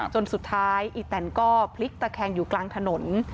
จนสุดท้ายอีแตนก็พลิกตะแคงอยู่กลางถนน